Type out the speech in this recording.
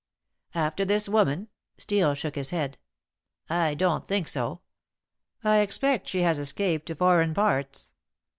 "After this woman?" Steel shook his head. "I don't think so. I expect she has escaped to foreign parts."